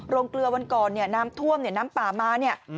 เกลือวันก่อนเนี่ยน้ำท่วมเนี่ยน้ำป่ามาเนี่ย